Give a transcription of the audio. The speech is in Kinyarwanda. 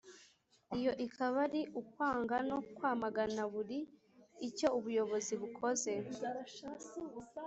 iyo ikaba ari ukwanga no kwamagana buri icyo ubuyobozi bukoze